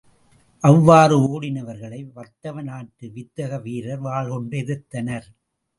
அவ்வாறு ஒடினவர்களை வத்தவநாட்டு வித்தக வீரர், வாள் கொண்டு எதிர்த்தனர்.